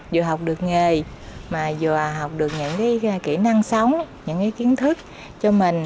vừa học được nghề mà vừa học được những cái kỹ năng sống những cái kiến thức cho mình